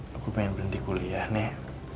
hai aku pengen berhenti kuliah nih